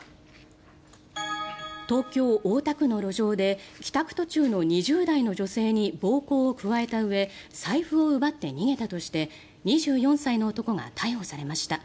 東京・大田区の路上で帰宅途中の２０代の女性に暴行を加えたうえ財布を奪って逃げたとして２４歳の男が逮捕されました。